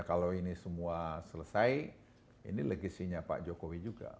kalau ini semua selesai ini legisinya pak jokowi juga